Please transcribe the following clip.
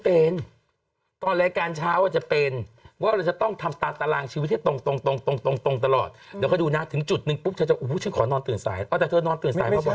ยนตรงตรงตรงตรงตรงตลอดแล้วก็ดูนะถึงจุดนึงปุ๊บจะอู๋ชักขอนอนตื่นใส่อ๋อแต่เธอนอนตื่นใส่มาเมื่อไหร่